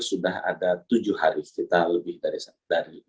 sudah ada tujuh hari kita lebih dari